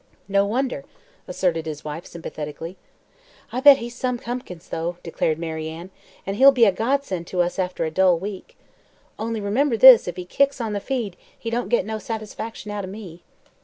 "No wonder," asserted, his wife sympathetically. "I'll bet he's some punkins, though," declared Mary Ann, "an' he'll be a godsend to us after a dull week. Only, remember this, if he kicks on the feed he don't git no satisfaction out o' me."